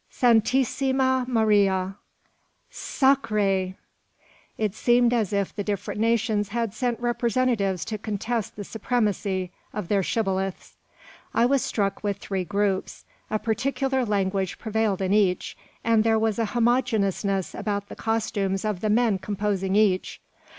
"Santisima Maria!" "Sacr r re!" It seemed as if the different nations had sent representatives to contest the supremacy of their shibboleths. I was struck with three groups. A particular language prevailed in each; and there was a homogeneousness about the costumes of the men composing each.